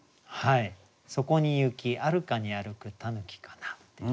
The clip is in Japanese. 「そこに雪あるかに歩く狸かな」っていうね。